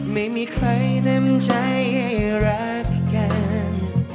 ไม่มีใครเต็มใจให้รักกัน